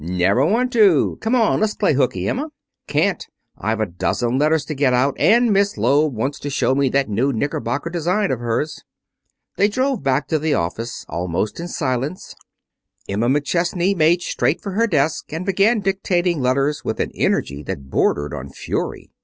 "Never want to. Come on, let's play hooky, Emma." "Can't. I've a dozen letters to get out, and Miss Loeb wants to show me that new knicker bocker design of hers." They drove back to the office almost in silence. Emma McChesney made straight for her desk and began dictating letters with an energy that bordered on fury.